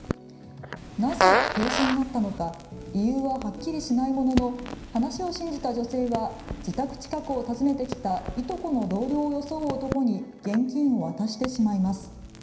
なぜ停止になったのか理由ははっきりしないものの話を信じた女性は自宅近くを訪ねてきたいとこの同僚を装う男に現金を渡してしまいます。